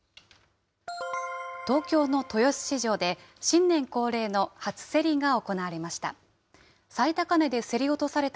東京の豊洲市場で、新年恒例の初競りが行われました。